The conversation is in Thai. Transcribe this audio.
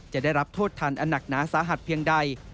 จะได้รับโทษทันอันหนักหนาสาหัสเพียงใด